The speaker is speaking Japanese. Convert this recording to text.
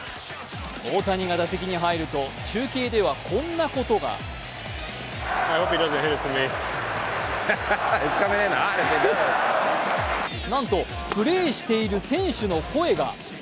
大谷が打席に入ると、中継ではこんなことがなんとプレーしている選手の声が。